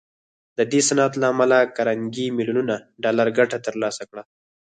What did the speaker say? د دې صنعت له امله کارنګي ميليونونه ډالر ګټه تر لاسه کړه.